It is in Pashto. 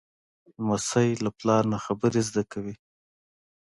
لمسی له پلار نه خبرې زده کوي.